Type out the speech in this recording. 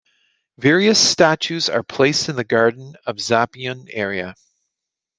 Various statues are placed in the gardens of Zappeion area.